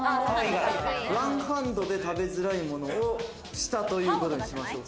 ワンハンドで食べづらいものをしたということにしましょう。